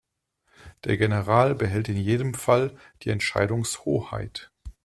Der General behält in jedem Fall die Entscheidungshoheit.